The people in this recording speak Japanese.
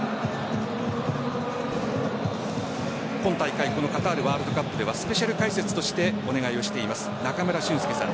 今大会このカタールワールドカップではスペシャル解説としてお願いしています中村俊輔さん